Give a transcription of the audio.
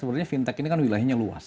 karena fintech ini kan wilayahnya luas